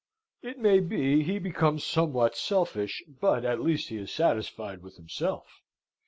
It may be he becomes somewhat selfish; but at least he is satisfied with himself.